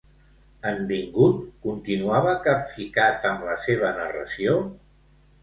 En Vingut continuava capficat amb la seva narració?